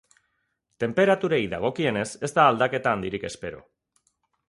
Tenperaturei dagokienez, ez da aldaketa handirik espero.